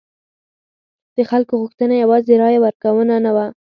د خلکو غوښتنه یوازې رایه ورکونه نه وه.